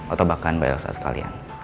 atau bahkan banyak saat sekalian